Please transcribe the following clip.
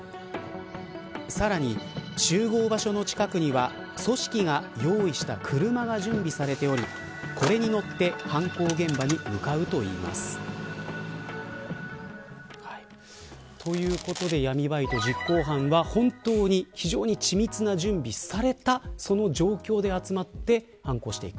さらに、集合場所の近くには組織が用意した車が準備されておりこれに乗って犯行現場に向かうといいます。ということで、闇バイト実行犯は、本当に緻密な準備をされたその状況で集まって犯行をしていく。